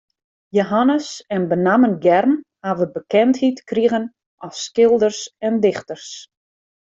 Jehannes en benammen Germ hawwe bekendheid krigen as skilders en dichters.